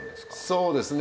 そうですね。